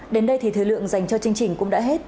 đến đây thì thời lượng dành cho chương trình cũng đã hết